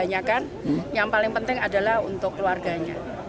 kebanyakan yang paling penting adalah untuk keluarganya